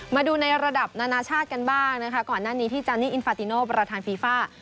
มาดูในระดับนานาชาติกันบ้างนะคะก่อนหน้านี้ที่จานนี่อินฟาติโนประธานฟีฟ่า